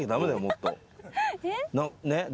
もっと。